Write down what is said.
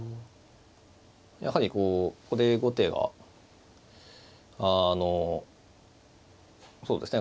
やはりこうここで後手はあのそうですね